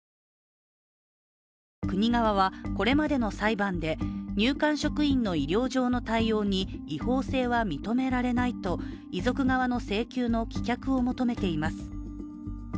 国側はこれまでの裁判で入管職員の医療上の対応に違法性は認められないと、遺族側の請求の棄却を求めています。